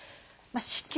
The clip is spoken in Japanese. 「子宮」。